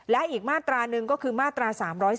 และอีกมาตราหนึ่งก็คือมาตรา๓๔